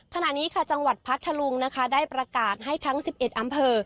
ขณะนี้ค่ะจังหวัดพัทธลุงนะคะได้ประกาศให้ทั้ง๑๑อำเภอ